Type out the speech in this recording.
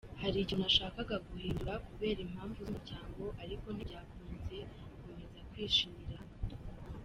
"Hari ikintu nashakaga guhindura kubera impamvu z'umuryango ariko ntibyakunze, nkomeza kwishimira hano.